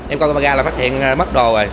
em coi ra là phát hiện mất đồ rồi